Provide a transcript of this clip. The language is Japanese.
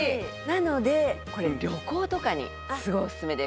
なのでこれ旅行とかにすごいおすすめです。